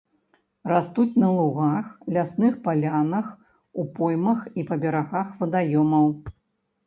Растуць на лугах, лясных палянах, у поймах і па берагах вадаёмаў.